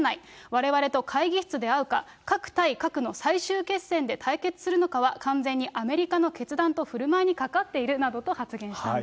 われわれと会議室で会うか、核対核の最終決戦で対決するのかは、完全にアメリカの決断とふるまいにかかっているなどと発言したん